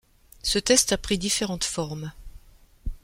Ce test a pris différentes formes.